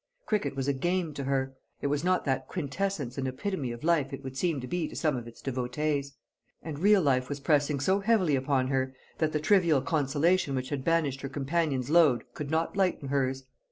Cricket was a game to her, it was not that quintessence and epitome of life it would seem to be to some of its devotees; and real life was pressing so heavily upon her that the trivial consolation which had banished her companion's load could not lighten hers.